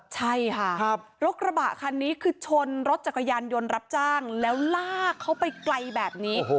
ใช่ค่ะรถกระบะคันนี้คือชนรถจักรยานยนต์รับจ้างแล้วลากเขาไปไกลแบบนี้